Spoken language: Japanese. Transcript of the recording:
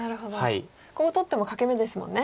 ここ取っても欠け眼ですもんね。